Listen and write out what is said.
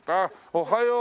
おはよう。